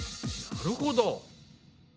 なるほど。